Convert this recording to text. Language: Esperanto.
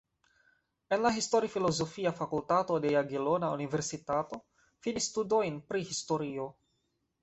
En la Histori-Filozofia Fakultato de Jagelona Universitato finis studojn pri historio.